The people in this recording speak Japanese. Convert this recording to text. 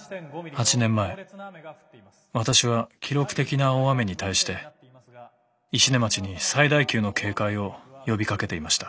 ８年前私は記録的な大雨に対して石音町に最大級の警戒を呼びかけていました。